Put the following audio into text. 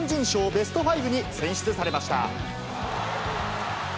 ベストファイブに選出されました。